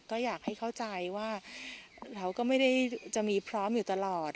ก็อยากให้เข้าใจว่าเราก็ไม่ได้จะมีพร้อมอยู่ตลอด